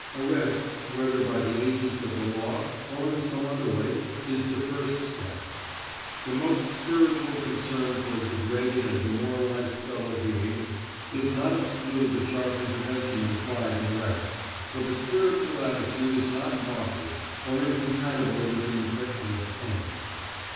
Arrest, whether by the agents of the law or in some other way, is the first step. The most spiritual concern for a degraded and demoralized fellow being does not exclude the sharp intervention implied in arrest, for the spiritual attitude is not mawkish or incompatible with the infliction of pain.